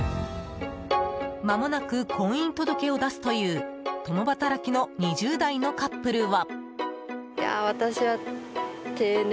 まもなく婚姻届を出すという共働きの２０代のカップルは。